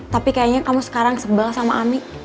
tapi kayaknya kamu sekarang sama ami